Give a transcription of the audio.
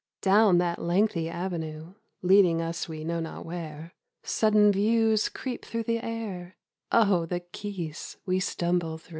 Down that lengthy avenue Leading us we know not where — Sudden views creep through the air ; Oh the keys we stumble through